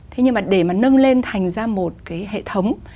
thế nhưng mà để mà nâng lên thành ra một cái hệ thống